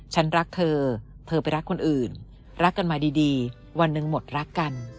ฉันรักเธอเธอไปรักคนอื่นรักกันมาดีวันหนึ่งหมดรักกัน